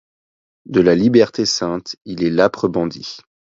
De la liberté sainte il est l'âpre bandit ;